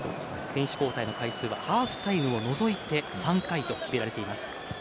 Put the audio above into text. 選手交代の回数はハーフタイムを除いて３回と決められています。